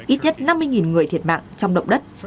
ít nhất năm mươi người thiệt mạng trong động đất